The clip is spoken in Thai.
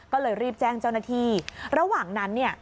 ก็เลยรีบแจ้งเจ้าหน้าที่ระหว่างนั้นเนี่ย